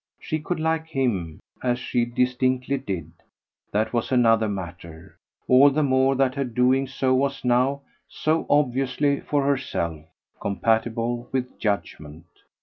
She could like HIM, as she distinctly did that was another matter; all the more that her doing so was now, so obviously for herself, compatible with judgement.